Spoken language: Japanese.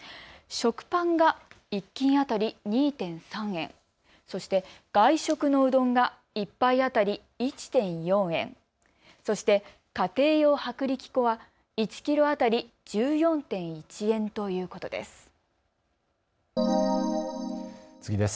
食パンが１斤当たり２．３円、そして、外食のうどんが１杯当たり１．４円、そして家庭用薄力粉は１キロ当たり１４．１円ということです。